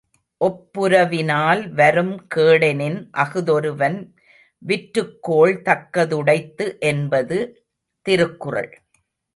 ஒப்புரவி னால் வரும் கேடெனின் அஃதொருவன் விற்றுக்கோள் தக்க துடைத்து என்பது திருக்குறள்.